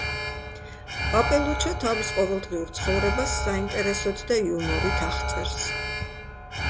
პაპელუჩო თავის ყოველდღიურ ცხოვრებას საინტერესოდ და იუმორით აღწერს.